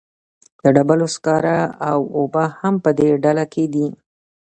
د ډبرو سکاره او اوبه هم په دې ډله کې دي.